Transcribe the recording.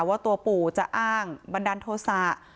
ว่าตัวปู่จะอ้างบันดาลโทษะ